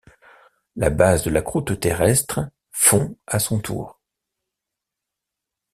La base de la croûte terrestre fond à son tour.